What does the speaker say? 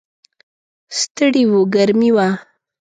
ستړي و، ګرمي وه.